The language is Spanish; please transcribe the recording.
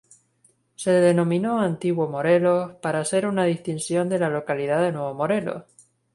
Se le denominó Antiguo Morelos para hacer una distinción del localidad de Nuevo Morelos.